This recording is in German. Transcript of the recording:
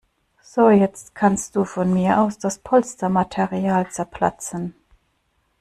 So, jetzt kannst du von mir aus das Polstermaterial zerplatzen.